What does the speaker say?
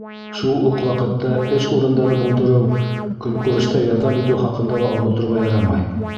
Шул уҡ ваҡытта эш урындары булдырыу, көнкүрештә ярҙам итеү хаҡында ла оноторға ярамай.